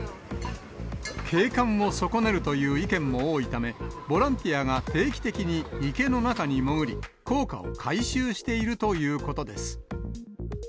景観を損ねるという意見も多いため、ボランティアが定期的に池の中に潜り、硬貨を回収しているということです。